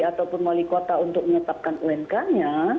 ataupun wali kota untuk menetapkan unk nya